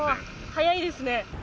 速いですね。